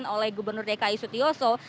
oleh gubernur dki sutioso